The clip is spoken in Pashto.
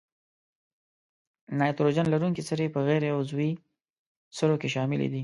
نایتروجن لرونکي سرې په غیر عضوي سرو کې شامل دي.